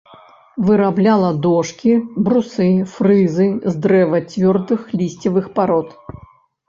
Вырабляла дошкі, брусы, фрызы з дрэва цвёрдых лісцевых парод.